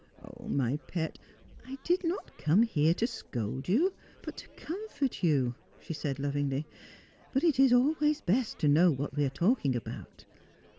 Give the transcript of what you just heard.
' My pet, I did not come here to scold you, but to comfort you,' she said lovingly, 'but it is always best to know what we are talking about.